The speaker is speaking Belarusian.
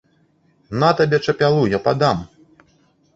На табе чапялу, я падам!